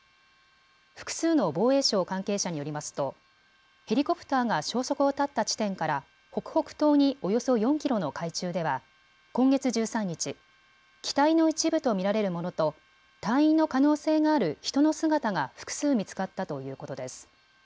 複数の防衛省関係者によりますとヘリコプターが消息を絶った地点から北北東におよそ４キロの海中では今月１３日、機体の一部と見られるものと隊員の可能性がある人の姿が複数見つかったということです。